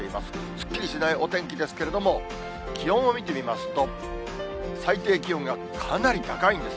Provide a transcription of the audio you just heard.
すっきりしないお天気ですけれども、気温を見てみますと、最低気温がかなり高いんです。